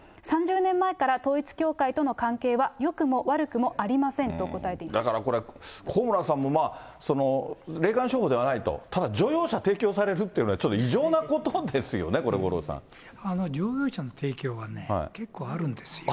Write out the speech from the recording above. ３０年前ら統一教会との関係はよくも悪くもありませんと答えていだからこれ、高村さんも霊感商法ではないと、ただ乗用車を提供されるというのはちょっと異常なことですよね、乗用車の提供はね、結構あるんですよ。